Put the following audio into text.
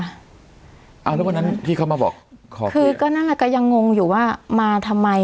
เอาแล้ววันนั้นที่เขามาบอกขอคือก็นั่นแหละก็ยังงงอยู่ว่ามาทำไม